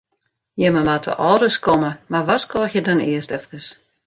Jimme moatte al ris komme, mar warskôgje dan earst efkes.